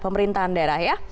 pemerintahan daerah ya